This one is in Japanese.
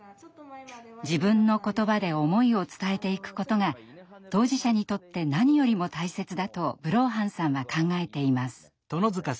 自分の言葉で思いを伝えていくことが当事者にとって何よりも大切だとブローハンさんは考えています。